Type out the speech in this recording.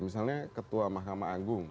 misalnya ketua mahkamah agung